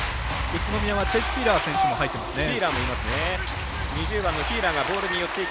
宇都宮はチェイス・フィーラー選手も入ってますね。